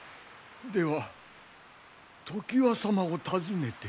では常磐様を訪ねて？